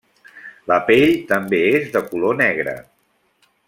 La pell també és de color negre.